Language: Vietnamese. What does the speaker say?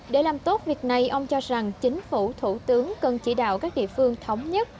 để làm tốt việc này ông cho rằng chính phủ thủ tướng cần chỉ đạo các địa phương thống nhất